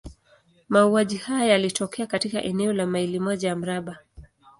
Mauaji haya yalitokea katika eneo la maili moja ya mraba.